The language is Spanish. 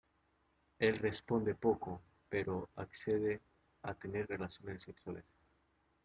Él responde poco, pero accede a tener relaciones sexuales.